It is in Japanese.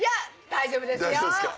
大丈夫ですか？